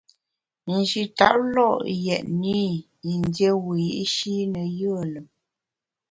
Nji tap lo’ yètne i yin dié wiyi’shi ne yùe lùm.